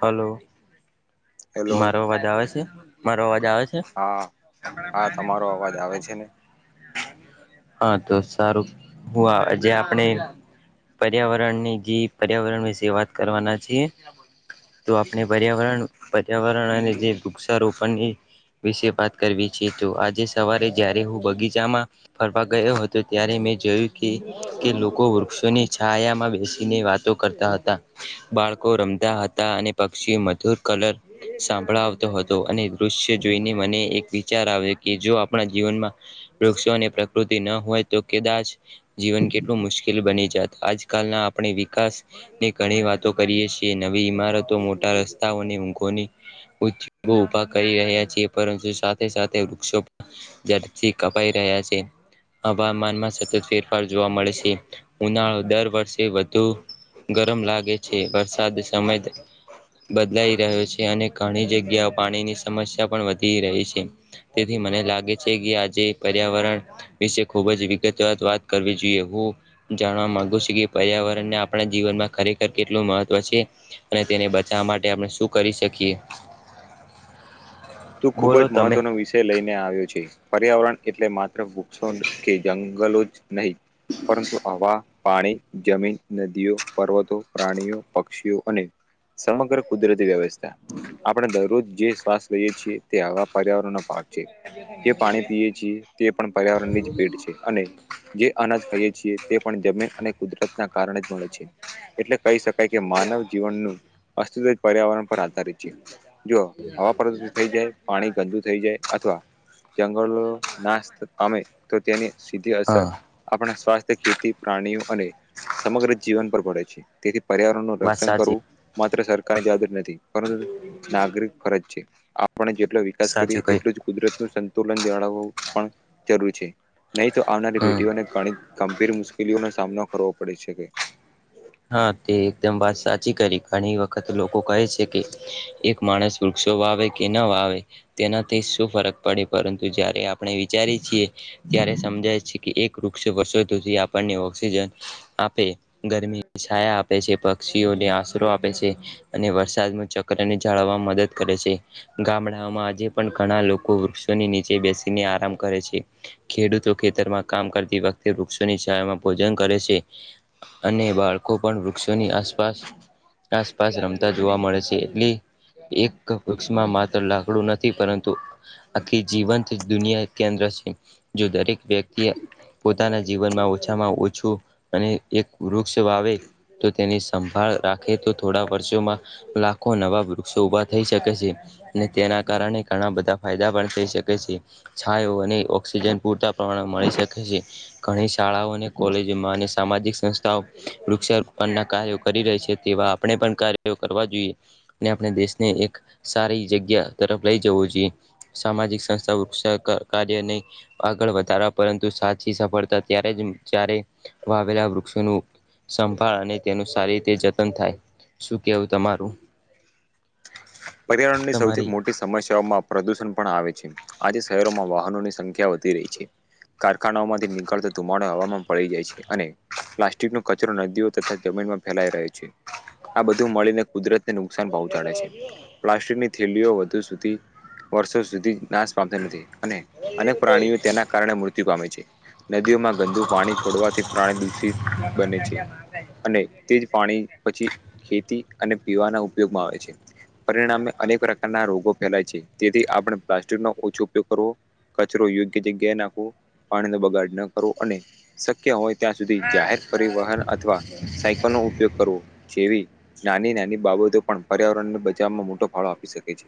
Hello hello મારો અવાજ આવે છે મારો અવાજ આવે છે. હા આપળ હા પા હળ તમારો અવાજ આવે છે ને [unintelligible] હા તો સારું હું જે આપણે પર્યાવરણ ની જે પર્યાવરણ વિશે વાત કરવાના છીએ તો આપણે પર્યાવરણ પર્યાવરણ અને તે વૃક્ષારોપણની વિશે વાત કરવી છે, તો આજે સવારે જયારે હું બગીચામાં ફરવા ગયો હતો. ત્યારે જોયું કે- કે લોકો વૃક્ષોની છાયામાં બેસીને વાતો કરતા હતા. બા બાળકો રમતા હતા, અને પક્ષી મધુર કલર સાંભળાવતો હતો અને દૃશ્ય જોઈને મને એક વિચાર આવ્યો કે જો આપણા જીવનમાં વૃક્ષો પ્રકૃતિ એ ન હોય તો કદાચ જીવન કેટલું મુશ્કેલ બની જાત આજકાલના આપણે વિકાસની ઘણી વાતો કરીએ છીએ, નવી ઈમારતો મોટા રસ્તાઓને ઊંઘોની ઉભા કરી રહ્યા છીએ, પરંતુ સાથે સાથે વૃક્ષોથી જિયારથી કપાઈ રહ્યા છે. હવામાનમાં સતત ફેરફાર જોવા મળે છે, ઉનાળો દર વર્ષે વધુ ગરમ લાગે છે, વરસાદ સમય બદલાઈ રહ્યો છે, અને ઘણી જગ્યાઓ પાણીની સમસ્યા પણ વધી રહી છે. તેથી મને લાગે છે, કે આજે પર્યાવરણ વિશે ખુબ જ વિગતવાર વાત કરવી જોઈએ હું જાણવા માંગુ છું, કે પર્યા આપણા જીવનમાં ખરેખર કેટલું મહત્વ છે. અને તેને બચાવવા માટે આપણે શું કરી શકીએ. તું ખુબ બોલો જ તમે મહત્વનો વિષય લઈને આવ્યો છે, પર્યાવરણ એટલે માત્ર પુછવો કે જંગલો જ નહીં પરંતુ આવા પાણી, જમીન, નદીઓ, પર્વતો, પ્રાણીઓ, પક્ષીઓ અને. સમગ્ર કુદરતી વ્યવસ્થા આપણે દરરોજ જે સાવસ્થ. લઈએ છીએ તે હવા પર્યાવરણ નો ભાગ છે, જે પાણી પીએ છીએ તે પણ પર્યાવરણ ની જ ભીડ છે, અને જે અનાજ ખાઈએ છીએ, તે પણ જમીન અને કુદરતના કારણે જ મળે છે. એટલે કહી શકાય કે માનવ જીવનનું અસ્તિત્વ પર્યાવરણ પર આધારિત છે. જો હવા પ્રદુષિત થઈ જાય પાણી ગંદુ થઈ જાય. અથવા જંગલો નાશ પામે તો તેની સીધી અસર હા આપણા સ્વાસ્થ્ય ખેતી, પ્રાણીઓ અને સમગ્ર જીવન પર પડે છે, તેથી પર્યાવરણ નું વાત રક્ષણ સાચી કરવું માત્ર સરકારની જવાબદારી નથી, પરંતુ નાગરિક ફરજ આપણે જેટલો વિકાસ સાચું કરીએ કહ્યું એટલું જ કુદરત નું સંતુલન બળવવ પણ જરૂરી છે. નહીં તો આવનારી હમ પેઢીઓને ઘણી ગંભીર મુશ્કેલીઓનો સામનો કરવો પડી શકે. હા તે એકદમ વાત સાચી કરી ઘણી વખત લોકો કહે છે, કે માણસ વૃક્ષો વાવે કે ના વાવે તેનાથી શું ફરક પડે, પરંતુ જ્યારે આપણે વિચારી છીએ, ત્યારે સમજાય છે, કે એક વૃક્ષ વરસોથી આપણને ઓક્સિજન આપે. ગરમીની છાયા આપે છે, પક્ષીઓને આશરો આપે છે, અને વરસાદ નું ચક્ર. ને જાળવવામાં મદદ કરે છે, ગામડાઓમાં આજે પણ ઘણા લોકો વૃક્ષોની નીચે બેસીને આ કામ કરે છે, ખેડૂતો ખેતરમાં કામ કરતી વખતે વૃક્ષોની છાળમાં ભોજન કરે છે. અને બાળકો પણ વૃક્ષોની આસપાસ આસપાસ રમતા જોવા મળે છે, એટલી એક વૃક્ષમાં માત્ર લાકડું નથી, પરંતુ આખી જીવંત દુનિયા કેન્દ્ર છે. જો દરેક વ્યક્તિ, પોતાના જીવનમાં ઓછામાં ઓછું અને એક વૃક્ષ વાવે. તો તેની સંભાળ રાખે તો, થોડા વર્ષોમાં લાખો નવા વૃક્ષો ઉભા થઈ શકે છે. તેના કારણે ઘણા બધા ફાયદા પણ થઈ શકે છે. છાંયો અને ઓક્સિજન પૂરતા પ્રમાણમાં મળી શકે છે, ઘણી શાળાઓ અને કોલેજો માનસ સામાજિક સંસ્થાઓ વૃક્ષારોપણના કાર્યો કરી રહી છે, તેવા આપણે પણ કાર્યો કરવા જોઈએ, આપણે દેશને એક સારી જગ્યા તરફ લઈ જવું, જોઈએ સામાજિક સંસ્થા વૃક્ષા કાર્યને આગળ વધારવા પરંતુ સાચી સફળતા ત્યારે જ જયારે વાવેલા વૃક્ષોનું સંભાળ અને તેનું સારી રીતે જતન થાય. શું કેવું તમારું? પર્યાવરણની સૌથી તમારી મોટી સમસ્યાઓમાં પ્રદુષણ પણ આવે છે. આજે શહેરોમાં વાહનોની સંખ્યા વધી રહી છે. કારખાનાઓ માંથી નીકળતો ધુમાડો હવામાં ભળી જાય છે અને પ્લાસ્ટિક નો કચરો નદીઓ તથા જમીનમાં ફેલાઈ રહ્યો છે. આ બધું મળીને કુદરત તે નુકસાન પહોંચાડે છે. પ્લાસ્ટિકની થેલીઓ વધુ સુધી વર્ષો સુધી નાશ પામતા નથી. અને અનેક પ્રાણીઓ તેના કારણે મૃત્યુ પામે છે. નદીઓમાં ગંદુ પાણી છોડવાથી પ્રાણી દૂષિત બને છે. અને તે જ પાણી, પછી ખેતી અને પીવાના ઉપયોગમાં આવે છે. પરિણામે અનેક પ્રકારના રોગો ફેલાય છે. તેથી, આપણે પ્લાસ્ટિક નો ઓછો ઉપયોગ કરવો કચરો યોગ્ય જગ્યાએ નાખવો, પાણીનો બગાડ ન કરવો, અને શક્ય હોય ત્યાં સુધી જાહેર પરિવહન અથવા સાયકલ નો ઉપયોગ કરવો, જેવી નાની નાની બાબતો પણ, પર્યાવરણને બચાવમાં મોટો ફાળો આપી શકે છે.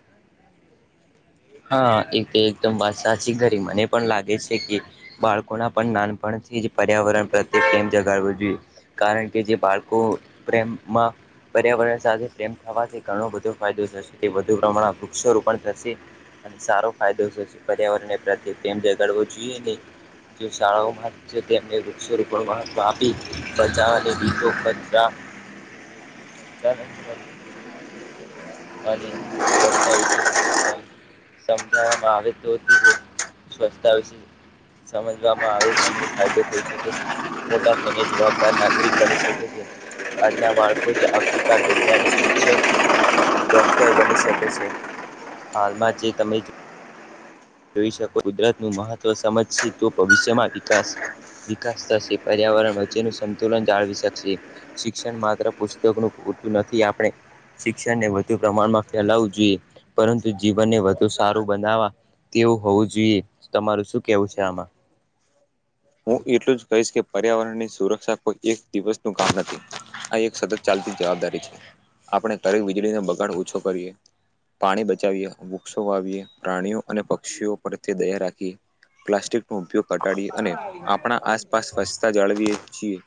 હા, એ તો એકદમ વાત સાચી ઘરી, મને પણ લાગે છે કે બાળકો ના પણ નાનપણ પર્યાવરણ પ્રત્યે પ્રેમ જગાડવો જોઈએ. કારણ કે જે બાળકો પ્રેમમાં પર્યાવરણ સાથે પ્રેમ થવાથી ઘણો બધો ફાયદો થશે. વધુ પ્રમાણમાં વૃક્ષ રોપણ થશે. અને સારો ફાયદો થશે. પર્યાવરણને પ્રત્યે પ્રેમ જગાડવો જોઈએ નહી જે શાળાઓમાં છે, તેમને વૃક્ષ રૂપણ મહત્વ આપી બચાવવાની નું [inaudible] સંચાલન કરવું. અને સ્વચ્છતા વિશેષ સમજાવવુ સમજાવવામાં આવે તો તે બહુ સ્વચ્છતા વિષે સમજવામાં આવે ઘણો ફાયદો થઈ શકે છે. મોટા થઈને જવાબદાર નાગરિક બની શકે છે. આજના બાળકો જ આવતીકાલ વૈજ્ઞાનિક, શિક્ષક ડોક્ટર બની શકે છે. હાલમાં જે તમે જોઈ શકો ગુજરાતનું મહત્વ સમજશે તો ભવિષ્યમાં વિકાસ વિકાસ થશે, પર્યાવરણ વચ્ચેનું સંતુલન જાળવી શકશે. શિક્ષણ માત્ર પુસ્તકનું પુરતું નથી આપણે શિક્ષણને વધુ પ્રમાણમાં ફેલાવવું જોઈએ. પરંતુ જીવનને વધુ સારું બનાવવા તેવું હોવું જોઈએ. તમારું શું કેવું છે આમાં? હું એટલું જ કહીશ કે પર્યાવરણ ની સુરક્ષા કોઈ એક દિવસ નું કામ નથી. આ એક સતત ચાલતી જ જવાબદારી છે. આપણે ઘરે વીજળીનો બગાડ ઓછો કરીએ પાણી બચાવીએ, વૃક્ષો વાવીએ, પ્રાણીઓ અને પક્ષીઓ પ્રત્યે દયા રાખીએ પ્લાસ્ટિક નો ઉપયોગ ઘટાડી, અને આપણા આસપાસ સ્વચ્છતા જાળવીએ છીએ.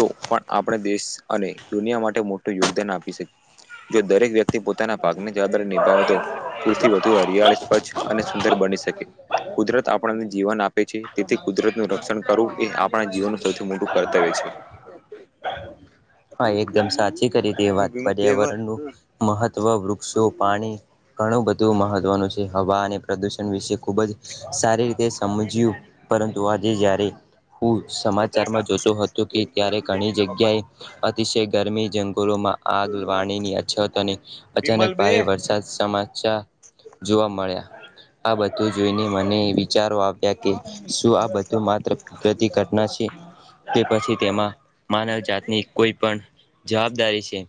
તો પણ, આપણે દેશ અને દુનિયા માટે મોટું યોગદાન આપી શકીએ જો દરેક વ્યક્તિ પોતાના પા જવાબદારી નિભાવે તો પૂરથી વધુ હરિયાળી સ્વચ્છ અને સુંદર બની શકે. કુદરત આપ આપણને જીવન આપે છે. તેથી કુદરત નું રક્ષણ કરવું, એ આપણા જીવનનું સૌથી મોટું કર્તવ્ય છે. હા એકદમ સાચી કરી તે વાત પર્યાવરણનું મહત્વ વૃક્ષો, પાણી ઘણું બધું મહત્વનું છે. હવા અને પ્રદુષણ વિશે ખુબ જ સારી રી તે સમજ્યું પરંતુ આજે જ્યારે હું સમાચારમાં જોતો હતો કે ત્યારે ઘણી જગ્યાએ અતિશય ગરમી જંગલોમાં આગ વાણીની અછતોની અચાનક વિમલ બે ભારે વરસાદ સમાચાર જોવા મળ્યા. આ બધું જોઈને મને એવી વાત હતી. શું આ બધું માત્ર પ્રતિ ઘટના છે. તે પછી તેમાં માનવ જાતની કોઈ પણ જવાબદારી છે.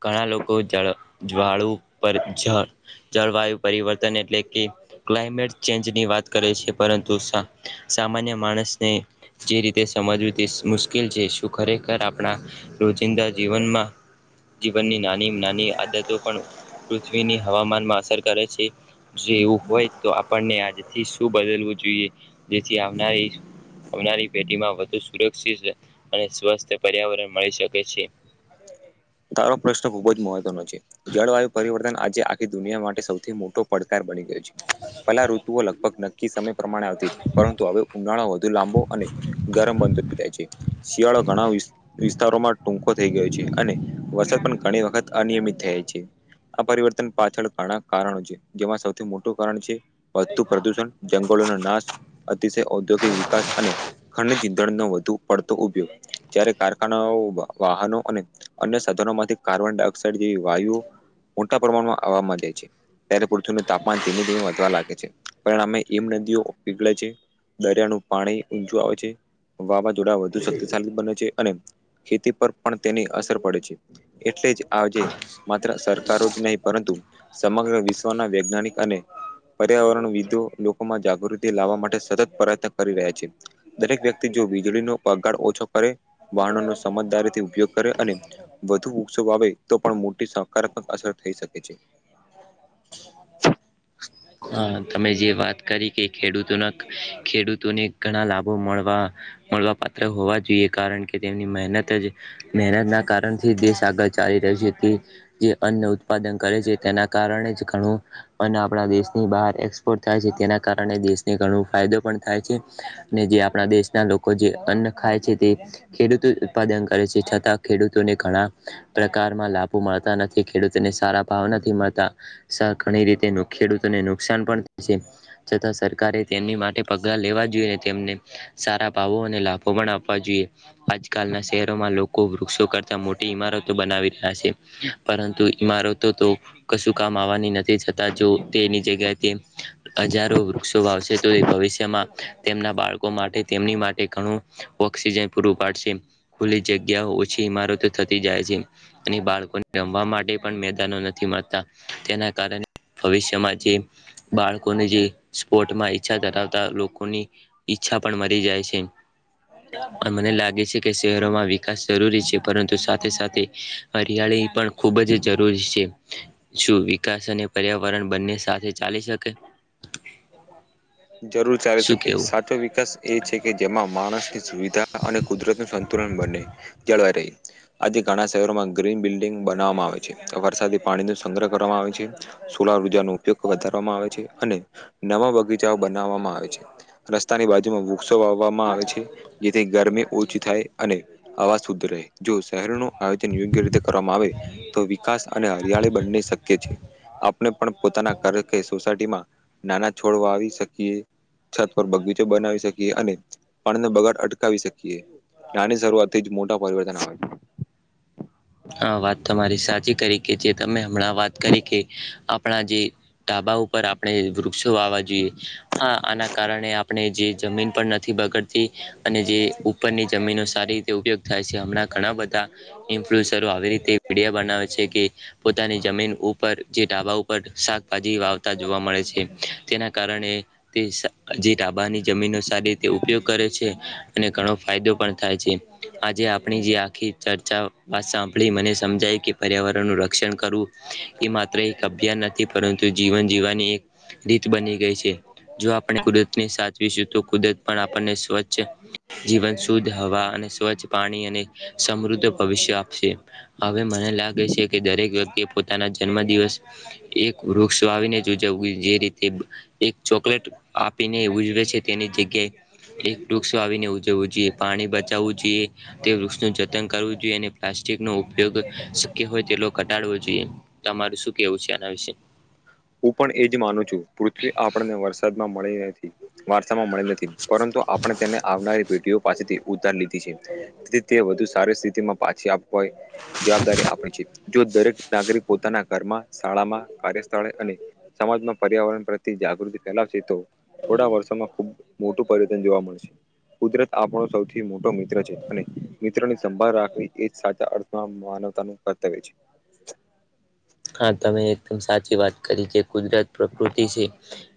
ઘણા લોકો જળ જ્વાળુ પર ઝ જળવાયુ પરિવર્તન એટલે કે ક્લાઈમેટ ચેન્જ ની વાત કરે છે. પરંતુ સા સામાન્ય માણસને જે રીતે સમજવું તે મુશ્કેલ જે શું ખરેખર આપણા રોજિંદા જીવનમાં જીવનની નાની નાની આદતો પણ પૃથ્વીની હવામાનમાં અસર કરે છે? જેવું હોય તો આપણને આજથી શું બદલવું જોઈએ જેથી આવનારી આવનારી પેઢીમાં વધુ સુરક્ષિત અને સ્વસ્થ પર્યાવરણ મળી શકે છે. [inaudible] તારો પ્રશ્ન ખુબ જ મહત્વનો છે. જળવાયુ પરિવર્તન આજે આખી દુનિયા માટે સૌથી મોટો પડકાર બની ગયો છે. [inaudible] પેલા ઋતુઓ લગભગ નક્કી સમય પ્રમાણે આવતી તી પરંતુ હવે ઉનાળો વધુ લાંબો અને ગરમ બનત હોય છે. શિયાળા ઘણા વિ વિસ્તારોમાં ટૂંકો થઈ ગયો છે અને વરસાદ પણ ઘણી વખત અનિયમિત થાય છે આ પરિવર્તન પાછળ ઘણા કારણો છે જેમાં સૌથી મોટું કારણ છે વધતુ પ્રદુષણ, જંગલોનો નાશ, અતિશય ઔદ્યોગિક વિકાસ અને ખંડ ચીંધણનો વધુ પડતો ઉપયોગ જ્યારે કારખાનાઓ વાહનો અને અન્ય સાધનોમાંથી કાર્બન ડાયોક્સાઇડ જેવી વાયુ મોટા પ્રમાણમાં આવવામાં જાય છે. ત્યારે પૃથ્વીનું તાપમાન ધીમે ધીમે વધવા લાગે છે. પણ અમે એમ નદીઓ પીગળે છે દરિયાનું પાણી ઊંચું આવે છે, વાવા જોડા વધુ શક્તિશાળી બને છે અને ખેતી પર પણ તેની અસર પડે છે. એટલે જ આજે માત્ર સરકારો જ નહીં પરંતુ સમગ્ર વિશ્વના વૈજ્ઞાનિક અને પર્યાવરણ વિદો લોકોમાં જાગૃતિ લાવવા માટે સતત પ્રયત્ન કરી રહ્યા છે. દરેક વ્યક્તિ જો વીજળી નો પગાર ઓછો કરે, વાહનો ન સમજદારી ઉપયોગ કરે અને વધુ વૃક્ષો વાવે તો પણ મોટી સકારાત્મક અસર થઈ શકે છે. હા, તમે જે વાત કરી કે ખેડૂતોના ખેડૂતોને ઘણા લાભો મળવા મળવા પાત્ર હોવા જોઈએ. કારણ કે તેમની મહેનત જ મહેનત ના કારણથી દેશ આગળ ચાલી રહ્યો છે તે જે અન્ન ઉત્પાદન કરે છે. તેના કારણે જ ઘણું અન્ન આપણા દેશની બહાર એક્સ પોટ થાય છે તેના કારણે દેશને ઘણો ફાયદો પણ થાય છે ને જે આપણા દેશના લોકો જે ખાય છે તે ખેડૂતો ઉત્પાદન કરે છે. છતાં ખેડૂતોને ઘણા પ્રકારમાં લાભો મળતા નથી, ખેડૂતને સારા ભાવ નથી મળતા સ ઘણી રીતે ખેડૂત ને નુકસાન પણ થાય છે. છતાં સરકારે તેમની માટે પગલાં લેવા જોઈએ અને તેમને સારા ભાવો અને લ આપવા જોઈએ. આજકાલના શહેરોમાં લોકો વૃક્ષો કરતા મોટી ઈમારતો બનાવી રહ્યા છે પરંતુ ઈમારતો તો કશું કામ આવવાની નથી છતા જો તેની જગ્યાએ હજારો વૃક્ષો વાવશે તો એ ભવિષ્યમાં તેમના બાળકો માટે તેમની માટે ઘણું ઓક્સિજન પૂરું પાડશે. ખુલ્લી જગ્યાઓ ઓછી ઈમારતો થતી જાય છે અને બાળકોની રમવા માટે પણ મેદાનો નથી મળતા. તેના કારણે ભવિષ્યમાં જે બાળકોને જે સ્પોર્ટમાં ઈચ્છા ધરાવતા લોકોની ચછા પણ મરી જાય છે. મને લાગે છે કે શહેરોમાં વિકાસ જરૂરી છે પરંતુ સાથે સાથે હરિયાળી પણ ખુબ જ જરૂરી છે શું વિકાસ અને પર્યાવરણ બંને સાથે ચાલી શકે [inaudible] જરૂર ચાલી શું શકે કેવું સાચો વિકાસ એ છે કે જેમાં માણસની સુવિધા અને કુદરત નું સંતુલન બને જળવાર આજે ઘણા શહેરોમાં ગ્રીન બિલ્ડિંગ બનાવવામાં આવે છે વરસાદી પાણી ન સંગ્રહ કરવામાં આવે છે સોલાર ઉર્જા નો ઉપયોગ વધારવામાં આવે છે અને નવા બગીચાઓ બનાવવામાં આવે છે રસ્તાની બાજુમાં વૃ ક્ષો વાવામાં આવે છે જેથી ગરમી ઓછી થાય અને અવાજ શુદ્ધ રહે જો શહેરનો આયોજન યોગ્ય રીતે કરવામાં આવે તો વિકાસ અને હરિયાળી બંને શક્ય છે. પણ પોતાના ઘર કે સોસાયટીમાં નાના છોડવા આવી શકીએ. છત પર બગીચો બનાવી શકીએ અને પાણીને બગાડ અટકાવી શકીએ નાની શરૂઆતથી જ મોટા પરિવર્તન આવે છે હ વાત તમારી સાચી કરી કે જે તમે હમણાં વાત કરી કે આપણા જે ધાબા ઉપર આપણે વૃક્ષો વાવા જોઈએ હા આના કારણે આપણે જે જમીન પણ નથી બગડથી અને જે ઉપરની જમીનો સારી રીતે ઉપયોગ થાય છે હમણાં ઘણા બધા ઇન્ફ્લુઅન્સરો આવી રીતે વિીડિયા બનાવે છે કે પોતાની જમીન ઉપર જે ઢાબા ઉપર શાકભાજી વાવતા જોવા મળે છે તેના કારણે તે જે ઢા બાની જમીનો સારી રીતે ઉપયોગ કરે છે અને ઘણો ફાયદો પણ થાય છે આજે આપણી જે આખી ચર્ચા સાંભળી મને સમજાય કે પર્યાવરણનું રક્ષણ કરવું એ માત્ર એક અભયન નથી પરંતુ જીવન જીવવાની એક રીત બની ગઈ છે જો આપણે કુદરતની સાચવીશું તો કુદરત પણ આપણને સ્વચ્છ જીવન શુદ્ધ હવા અને સ્વચ્છ પાણી અને સમૃદ્ધ ભવિષ્ય આપ સે હવે મને લાગે છે કે દરેક વ્યક્તિ પોતાના જન્મ દિવસ એક વૃક્ષ વાવીને ઉજવું જે રીતે એક ચોકલેટ આપીને ઉજવે છે તેની જગ્યાએ એક વૃક્ષ વાવીને ઉજવવું જોઈએ પાણી બચાવવું જોઈએ તે વૃક્ષ નું જતન કરવું જોઈએ અને પ્લાસ્ટિક નો ઉપયોગ શક્ય હોય તેલો ઘટાડવો જોઈએ તમારું શું કેવું છે આના વિશે હું પણ એજ માનું છું પૃથ્વી આપણને વરસાદ માં મળી નથી મળી નથી પરંતુ આપણે તેને આવનારી પેટીઓ પાસેથી ઉધાર લીધી છે તેથી વધુ સારી સ્થિતિમાં પાછી આપવા જવાબદારી આપે છે જો દરેક નાગરિક પોતાના ઘરમાં શાળામાં કાર્યસ્થળે અને સમાજમાં પર્યાવરણ પ્ર તિ જાગૃતિ ફેલાવશે તો થોડા વર્ષોમાં ખુબ મોટું પરિવર્તન જોવા મળશે કુદરત આપણો સૌથી મોટો મિત્ર છે અને મિત્રની સંભાળ રાખવી એ સાચ અર્થમાં માનવતા નું કર્તવ્ય છે હા તમે એકદમ સાચી વાત કરી જે કુદરત પ્રકૃતિ છે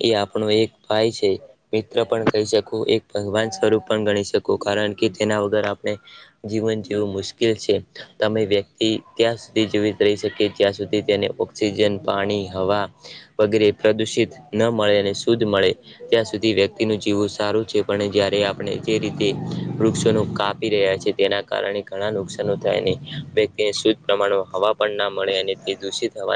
એ આપણો એક ભાઈ છે મિત્ર પણ કહી શકું એક ભગવાન સ્વરૂપ પણ ગણી શકું કારણ કે તેના વગર આપણે જીવન જીવું મુશ્કેલ છે તમે વ્યક્તિ ત્યાં સુધી જીવિત રહી શકે જ્યાં સુધી ઓક્સિજન પાણી હવા વગેરે પ્રદુષિત ન મળે અને શુદ્ધ મળે ત્યાં સુધી વ્યક્તિ ન જીવવું સારું છે પણ જયારે આપણે જે રીતે વૃક્ષો ન કાપી રહ્યા છે તેના કારણે ઘણા નુકાન થાય વ્યક્તિને શુદ્ધ પ્રમાણ હવા પણ ના મળે અને દૂષિત હવા